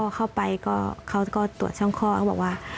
เข้าไปก็เขาก็ตรวจช่องข้อเขาบอกว่า